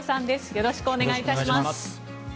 よろしくお願いします。